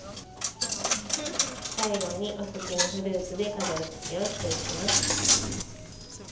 最後に、お好きなフルーツで飾り付けをしていきます。